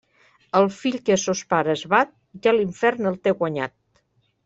El fill que a sos pares bat, ja l'infern el té guanyat.